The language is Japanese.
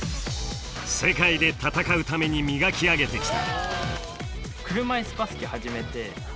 世界で戦うために磨き上げてきた。